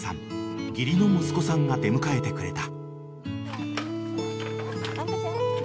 義理の息子さんが出迎えてくれた］